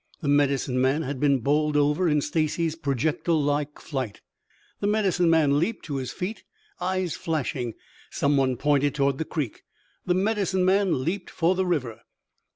The Medicine Man had been bowled over in Stacy's projectile like flight. The Medicine Man leaped to his feet, eyes flashing. Some one pointed toward the creek. The Medicine Man leaped for the river.